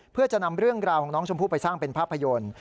เพื่อจะนำเรื่องราวของน้องชมพู่ไปสร้างเป็นภาพยนตร์